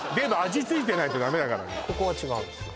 ここは違うんですよ